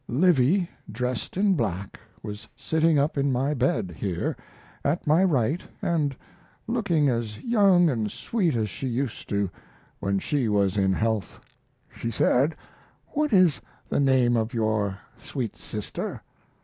Livy, dressed in black, was sitting up in my bed (here) at my right & looking as young & sweet as she used to when she was in health. She said, "What is the name of your sweet sister?"